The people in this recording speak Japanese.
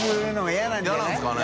嫌なんですかね？